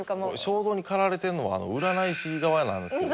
衝動に駆られてるのは占い師側なんですけど。